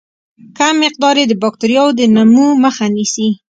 کم مقدار یې د باکتریاوو د نمو مخه نیسي.